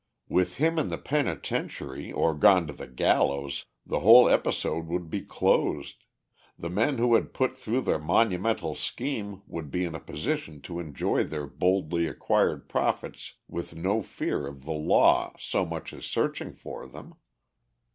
With him in the penitentiary or gone to the gallows the whole episode would be closed, the men who had put through the monumental scheme would be in a position to enjoy their boldly acquired profits with no fear of the law so much as searching for them.